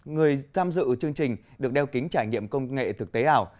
người tham dự chương trình được đeo kính trải nghiệm công nghệ thực tế ảo